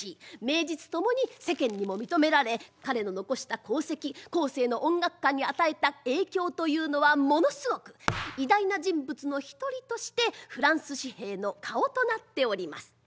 名実共に世間にも認められ彼の残した功績後世の音楽家に与えた影響というのはものすごく偉大な人物の一人としてフランス紙幣の顔となっております。